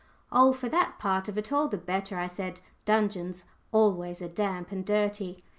"Oh, for that part of it, all the better," I said. "Dungeons always are damp and dirty."